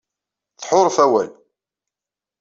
Tḥuṛef awal.